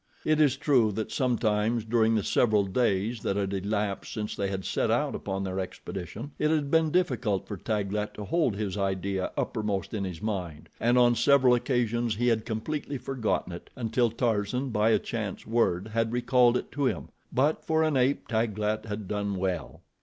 It is true that sometimes during the several days that had elapsed since they had set out upon their expedition it had been difficult for Taglat to hold his idea uppermost in his mind, and on several occasions he had completely forgotten it, until Tarzan, by a chance word, had recalled it to him, but, for an ape, Taglat had done well.